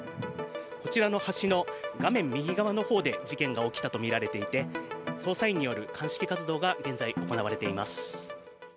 こちらの橋の画面右側のほうで事件が起きたとみられていて捜査員による鑑識活動が現在、行われています。